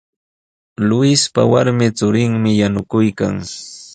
Luispa warmi churinmi yanukuykan.